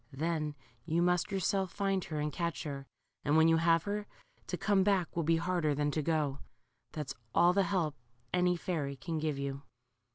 Then you must yourself find her and catch her, and when you have her, to come back will be harder than to go. That's all the help .any fairy can give you."